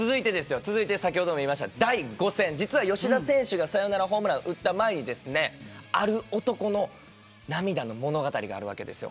続いて第５戦、吉田選手がサヨナラホームランを打った前にある男の涙の物語があるわけです。